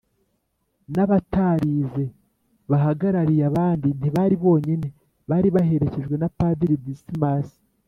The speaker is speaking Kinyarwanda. n’abatarize), bahagarariye abandi, ntibari bonyine ; bari baherekejwe na padiri dismas,